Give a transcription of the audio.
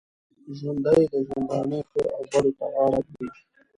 ژوندي د ژوندانه ښو او بدو ته غاړه ږدي